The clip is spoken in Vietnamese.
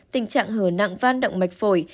tình trạng hở nặng van động mạch phổi